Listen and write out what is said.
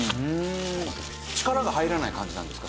力が入らない感じなんですか？